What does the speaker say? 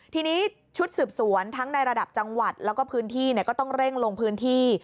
ทีนี้ชุดสืบสวนทั้งในระดับจังหวัดแล้วก็พื้นที่ก็ต้องเร่งลงพื้นที่